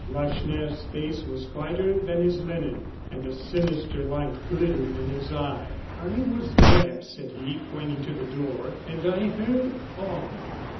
Lacheneur's face was whiter than his linen, and a sinister light glittered in his eye. "I was there," said he, pointing to the door, "and I heard all."